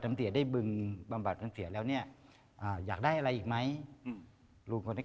ก็อย่างที่รวยบอกว่าเพราะว่าตอนนั้นเนี่ยวัดใครจะกลับไหว้พระอาทิตย์